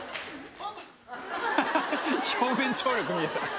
表面張力見えた。